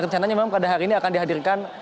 rencananya memang pada hari ini akan dihadirkan